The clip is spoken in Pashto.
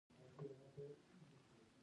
موټر کې مو چای هم څښلې.